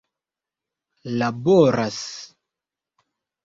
laboras